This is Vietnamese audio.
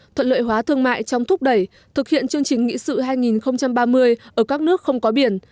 thuận lợi hóa thương mại trong thúc đẩy thực hiện chương trình nghị sự hai nghìn ba mươi ở các nước không có biển